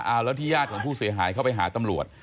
เอาแล้วที่ญาติของผู้เสียหายเข้าไปหาตำรวจ